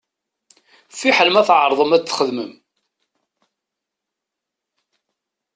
Fiḥel ma tεerḍem ad t-txedmem.